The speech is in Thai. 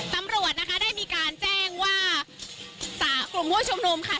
ตำรวจนะคะได้มีการแจ้งว่ากลุ่มผู้ชุมนุมค่ะ